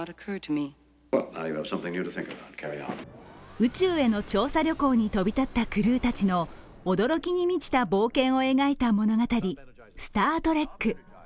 宇宙への調査旅行に飛び立ったクルーたちの驚きに満ちた冒険を描いた物語「スター・トレック」。